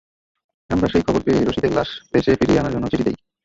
আমরা সেই খবর পেয়ে রশিদের লাশ দেশে ফিরিয়ে আনার জন্য চিঠি দেই।